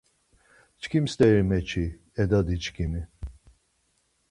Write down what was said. Çkim steris meçi, e dadiçkimi